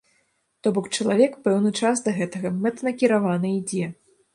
То бок чалавек пэўны час да гэтага мэтанакіравана ідзе.